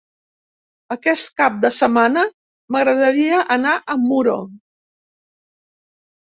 Aquest cap de setmana m'agradaria anar a Muro.